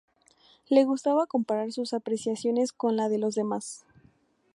Le gustaba comparar sus apreciaciones con las de los demás.